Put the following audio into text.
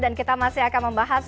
dan kita masih akan membahas